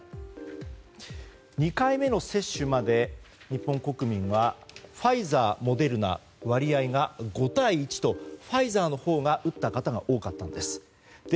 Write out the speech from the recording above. ２回目の接種まで日本国民はファイザー、モデルナ割合が５対１とファイザーのほうが打った方が多かったんです。